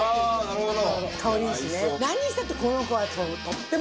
なるほど！